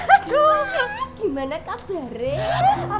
aduh gimana kabarnya